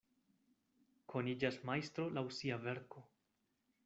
Koniĝas majstro laŭ sia verko.